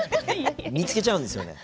見つけちゃうんですよね。